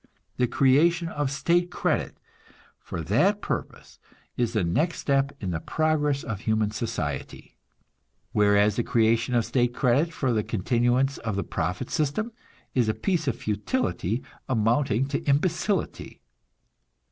The creation of state credit for that purpose is the next step in the progress of human society; whereas the creation of state credit for the continuance of the profit system is a piece of futility amounting to imbecility.